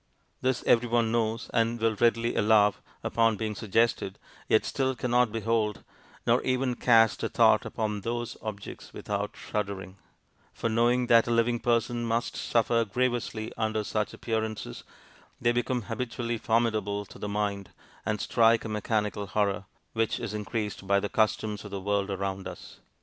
This every one knows, and will readily allow upon being suggested, yet still cannot behold, nor even cast a thought upon those objects without shuddering; for knowing that a living person must suffer grievously under such appearances, they become habitually formidable to the mind, and strike a mechanical horror, which is increased by the customs of the world around us.'